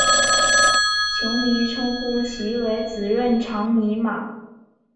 球迷称呼其为孖润肠尼马。